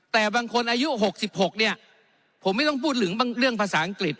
แต่บางคนอายุ๖๖เนี่ยผมไม่ต้องพูดถึงเรื่องภาษาอังกฤษ